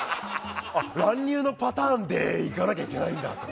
乱入のパターンでいけなきゃいけないんだ。